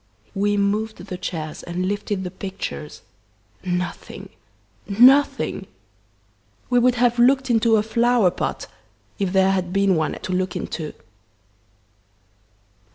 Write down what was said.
We moved the chairs and lifted the pictures. Nothing! nothing! We would have looked into a flower pot, if there had been one to look into!"